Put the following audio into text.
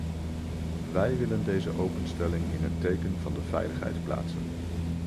Wij willen deze openstelling in het teken van de veiligheid plaatsen.